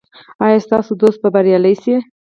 ایا ستاسو دوست به بریالی شي؟